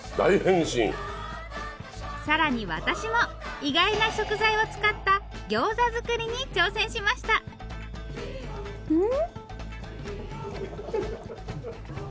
更に私も意外な食材を使ったギョーザ作りに挑戦しましたん？